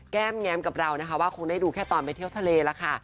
แก้มแง้มกับเรานะคะว่าคงได้ดูแค่ตอนไปเที่ยวทะเลแล้วค่ะ